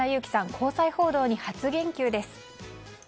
交際報道に初言及です。